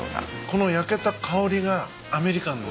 この焼けた香りがアメリカン。